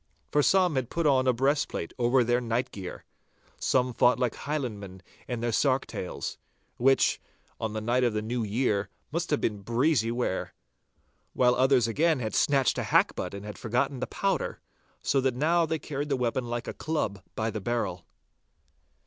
For some had put on a breastplate over their night gear; some fought like Highlandmen in their sark tails, which, on the night of the New Year, must have been breezy wear; while others again had snatched a hackbutt and had forgotten the powder, so that now they carried the weapon like a club by the barrel.